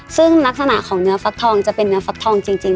ซึ่งลักษณะของเนื้อฟักทองจะเป็นเนื้อฟักทองจริง